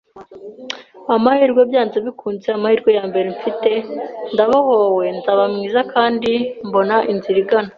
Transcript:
amahirwe, byanze bikunze, amahirwe yambere mfite. Ndabohowe Nzaba mwiza, kandi mbona inzira igana.